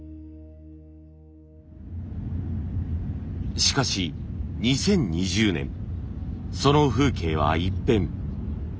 しかし２０２０年その風景は一変。